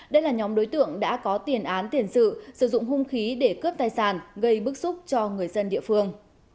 đây là nhóm đối tượng đã có tiền án tiền sự sử dụng hung khí để cướp tài sản gây bức xúc cho người dân địa phương